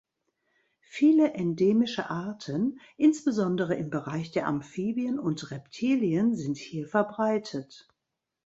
Viele endemische Arten, insbesondere im Bereich der Amphibien und Reptilien, sind hier verbreitet.